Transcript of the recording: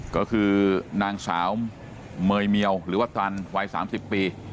ก็คือนางสาวเมยเมียวหรือว่าตันวัย๓๐ปี